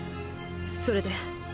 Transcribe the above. それで？